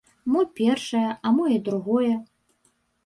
Мо першае, а мо і другое.